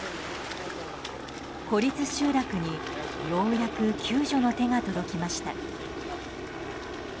孤立集落にようやく救助の手が届きました。